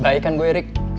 baikkan gue rick